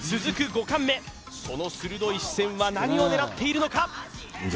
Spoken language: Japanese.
５貫目その鋭い視線は何を狙っているのか？